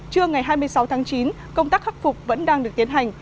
trưa ngày hai mươi sáu tháng chín công tác khắc phục vẫn đang được tiến hành